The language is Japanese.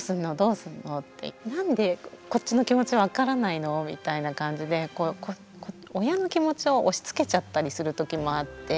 なんでこっちの気持ち分からないのみたいな感じで親の気持ちを押しつけちゃったりする時もあって。